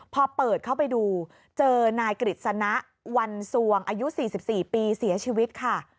พอเปิดเข้าไปดูเจอนายกฤษณะวันสวงอายุ๔๔ปีเสียชีวิตค่ะ